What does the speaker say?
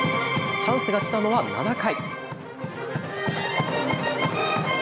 チャンスが来たのは７回。